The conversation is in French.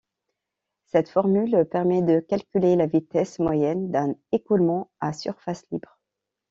Cette formule permet de calculer la vitesse moyenne d’un écoulement à surface libre.